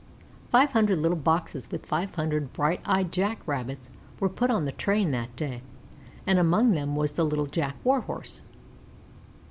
Five hundred little boxes with five hundred bright eyed Jack rabbits were put on the train that day, and among them was Little Jack Warhorse.